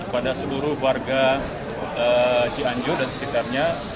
pada seluruh warga cianjur dan sekitarnya